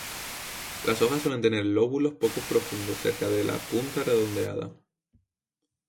Las hojas suelen tener lóbulos poco profundos cerca de la punta redondeada.